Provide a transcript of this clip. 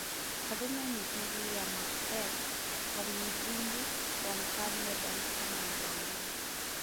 Karume mithili ya Macbeth kwa mzimu wa Mfalme Duncan na Banquo